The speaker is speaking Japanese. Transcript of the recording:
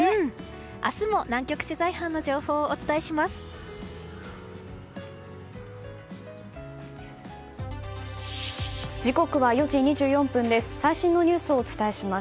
明日も南極取材班の情報をお伝えします。